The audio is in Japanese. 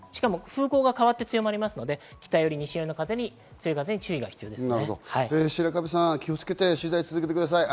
しかも風向が変わって強まるので北寄り、西寄りの風に注意が必要です。